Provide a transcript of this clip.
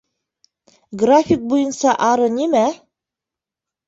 График буйынса ары нимә?